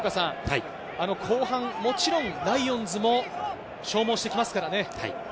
後半、もちろんライオンズも消耗してきますからね。